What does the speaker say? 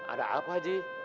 ada apa ji